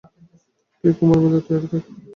তুই কোমর বেঁধে তৈয়ার থাক।